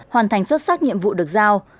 hoàn thành xuất sắc nhiệm vụ được giao